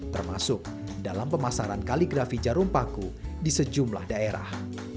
termasuk dalam pemasaran kaligrafi jarum paku di sejumlah daerah